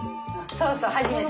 そうそう初めて。